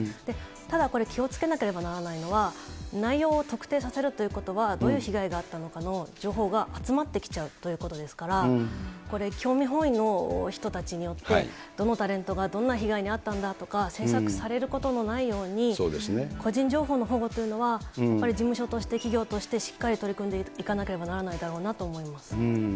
ただ、これ、気をつけなければならないのは、内容を特定させるということは、どういう被害があったのかの情報が集まってきちゃうということですから、興味本位の人たちによって、どのタレントがどんな被害に遭ったんだとか、詮索されることのないように、個人情報の保護というのは、やっぱり事務所として、企業として、しっかり取り組んでいかなければならないだろうなと思います。